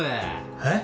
えっ？